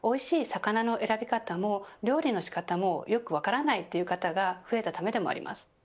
魚の選び方も料理の仕方もよく分からないという方が増えたためでもあります。